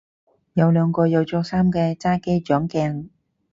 有兩個有着衫嘅揸機掌鏡